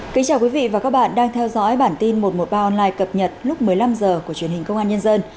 kính chào quý vị và các bạn đang theo dõi bản tin một trăm một mươi ba online cập nhật lúc một mươi năm h của truyền hình công an nhân dân